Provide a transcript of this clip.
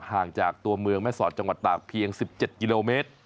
ห่างจากตัวเมืองแม่สอดจังหวัดตากเพียง๑๗กิโลเมตร